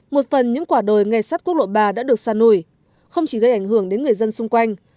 một phần những quả đồi ngay sát quốc lộ ba đã được sa nổi không chỉ gây ảnh hưởng đến người dân xung quanh